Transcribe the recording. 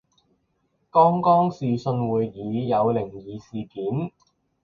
剛剛視訊會議有靈異事件